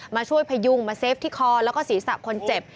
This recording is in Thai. มาช่วยพยุงมาเฟฟที่คอแล้วก็ศีรษะคนเจ็บ